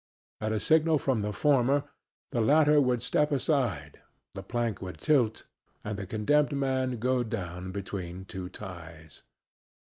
At a signal from the former the latter would step aside, the plank would tilt and the condemned man go down between two ties.